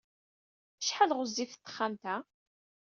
Acḥal ay ɣezzifet texxamt-a?